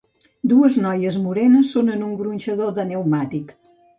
Dues noies morenes són en un gronxador de pneumàtic.